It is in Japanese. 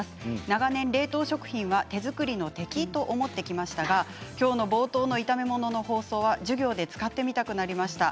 長年、冷凍食品は手作りの敵と思ってきましたが今日の冒頭の炒め物の放送は授業で使ってみたくなりました。